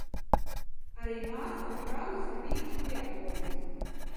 Arī māsa un brālis ir bijuši biatlonisti.